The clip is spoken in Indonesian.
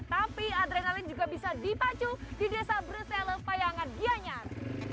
tapi adrenalin juga bisa dipacu di desa brusele payangan gianyar